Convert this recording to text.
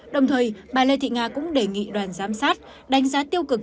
đồng thời bà lê thị nga cũng đề nghị đoàn giám sát đánh giá tiêu cực